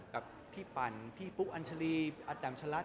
แบบพี่ปั่นพี่ปุ๊กอัญชรีอัตแดมชะลัด